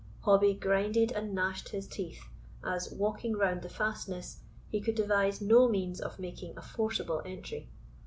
Hobbie grinded and gnashed his teeth, as, walking round the fastness, he could devise no means of making a forcible entry.